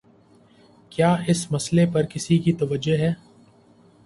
کیا اس مسئلے پر کسی کی توجہ ہے؟